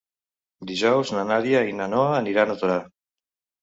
Dijous na Nàdia i na Noa aniran a Torà.